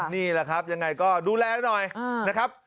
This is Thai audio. นี่แหละครับยังไงก็ดูแลหน่อยนะครับ